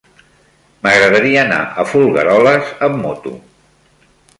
M'agradaria anar a Folgueroles amb moto.